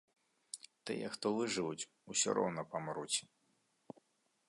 Тыя, хто выжывуць, усё роўна памруць.